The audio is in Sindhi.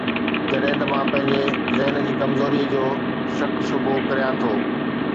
جڏهن ته مان پنهنجي ذهن جي ڪمزوريءَ جو شڪ شبهو ڪريان ٿو